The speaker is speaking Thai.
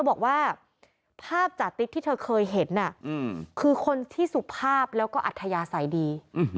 บอกว่าภาพจาติ๊กที่เธอเคยเห็นคือคนที่สุภาพแล้วก็อัธยาศัยดี